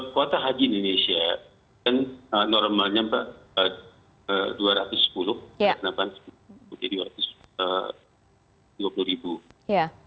kuota haji di indonesia kan normalnya dua ratus sepuluh